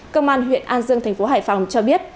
công an huyện an dương tp hải phòng cho biết